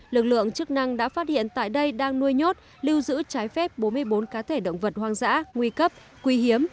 lực lượng chức năng đã phát hiện tại đây đang nuôi nhốt lưu giữ trái phép bốn mươi bốn cá thể động vật hoang dã nguy cấp quý hiếm